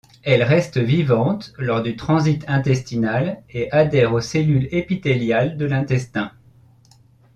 Elles restent vivantes lors du transit intestinal et adhèrent aux cellules épithéliales de l'intestin.